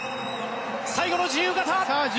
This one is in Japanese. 最後の自由形。